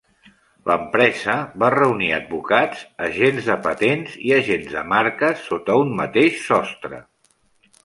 L'empresa va reunir advocats, agents de patents i agents de marques sota un mateix sostre.